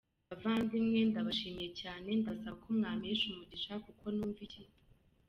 bavandimwe, ndabashimiye cyane ,ndasaba ko mwampesha umugisha kuko numva iki.